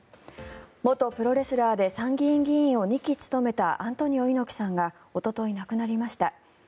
元プロレスラーで参議院議員を２期務めたアントニオ猪木さんがおととい、亡くなりました。